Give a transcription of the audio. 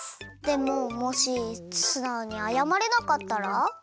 でももしすなおにあやまれなかったら？